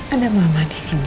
ada mama di sini